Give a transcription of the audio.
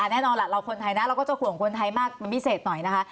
แน่นอนล่ะเราคนไทยนะเราก็จะห่วงคนไทยมากเป็นพิเศษหน่อยนะคะ